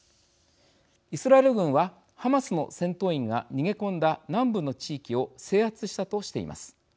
イスラエル軍はハマスの戦闘員が逃げ込んだ南部の地域を制圧したとしています。